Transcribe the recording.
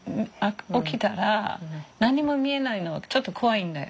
起きたら何も見えないのはちょっと怖いんだよ。